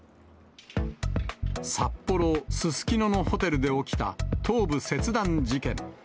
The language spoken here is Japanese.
札幌・すすきののホテルで起きた頭部切断事件。